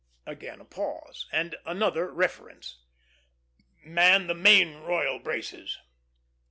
Again a pause, and further reference. "Man the main royal braces!"